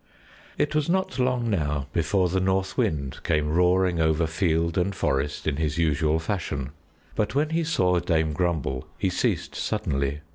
It was not long now before the North Wind came roaring over field and forest in his usual fashion, but when he saw Dame Grumble he ceased suddenly.